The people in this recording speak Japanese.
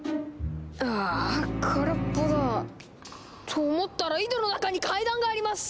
ああ空っぽだ。と思ったら井戸の中に階段があります！